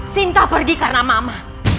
sinta pergi karena mama